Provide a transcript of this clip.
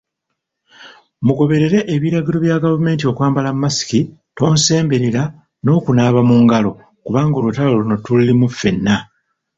Mugoberere ebiragiro bya gavumenti okwambala masiki, tonsemberera n'okunaaba mu ngalo kubanga olutalo luno tululimu ffenna.